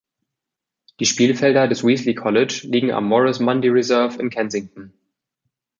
Die Spielfelder des Wesley College liegen im Morris Mundy Reserve in Kensington.